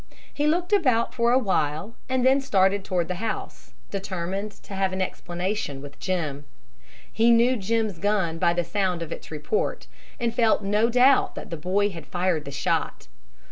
He looked about for a while, and then started toward the house, determined to have an explanation with Jim. He knew Jim's gun by the sound of its report, and felt no doubt that the boy had fired the shot.